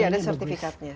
jadi ada sertifikatnya